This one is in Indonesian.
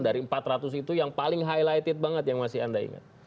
dari empat ratus itu yang paling highlighted banget yang masih anda ingat